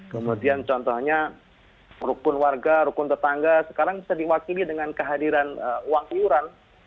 kemudian contohnya rukun warga rukun tetangga sekarang bisa diwakili dengan kehadiran uang iuran